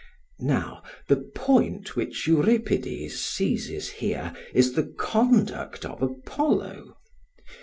Now the point which Euripides seizes here is the conduct of Apollo.